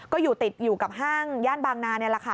ก็อยู่ติดอยู่กับห้างย่านบางนานี่แหละค่ะ